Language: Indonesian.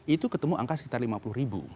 itu ketemu angka sekitar lima puluh ribu